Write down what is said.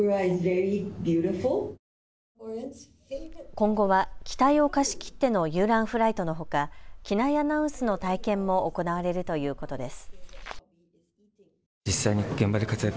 今後は機体を貸し切っての遊覧フライトのほか機内アナウンスの体験も行われるということです。